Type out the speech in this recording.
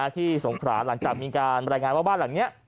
สงขราหลังจากมีการบรรยายงานว่าบ้านหลังนี้